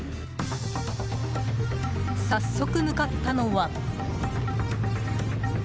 早速向かったのは。